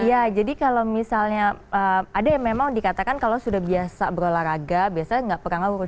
iya jadi kalau misalnya ada yang memang dikatakan kalau sudah biasa berolahraga biasanya nggak pernah ngawur